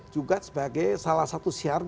juga sebagai salah satu siaran